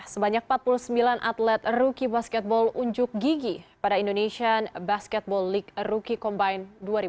sebanyak empat puluh sembilan atlet rookie basketball unjuk gigi pada indonesian basketball league rookie combine dua ribu dua puluh